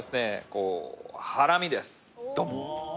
こうハラミですドン！